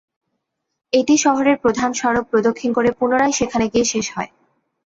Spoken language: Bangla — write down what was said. এটি শহরের প্রধান সড়ক প্রদক্ষিণ করে পুনরায় সেখানে গিয়ে শেষ হয়।